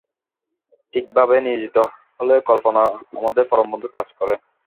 ঠিকভাবে নিয়োজিত হলে কল্পনা আমাদের পরম বন্ধুর কাজ করে।